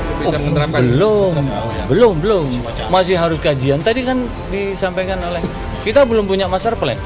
oh belum belum belum masih harus kajian tadi kan disampaikan oleh kita belum punya master plan